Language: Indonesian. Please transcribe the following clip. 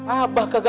abah kagak terima